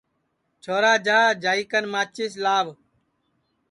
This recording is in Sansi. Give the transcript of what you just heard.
چھورا جا جائی کن ماچِس لاو